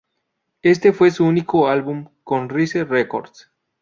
Este fue su único álbum con Rise Records.